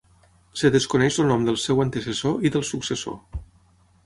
Es desconeix el nom del seu antecessor i del successor.